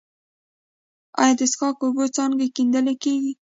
آیا د څښاک اوبو څاګانې کیندل کیږي؟